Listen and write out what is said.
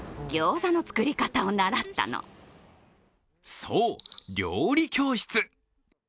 そう、料理教室。